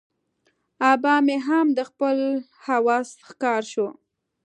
آبا مې هم د خپل هوس ښکار شو.